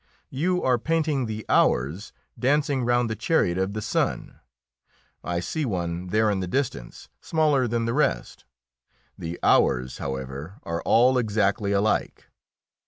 You are painting the hours dancing round the chariot of the sun. I see one there, in the distance, smaller than the rest; the hours, however, are all exactly alike."